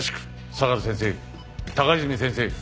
相良先生高泉先生。